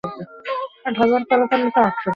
প্রতাপ সিং কলার পৃষ্ঠপোষক ছিলেন।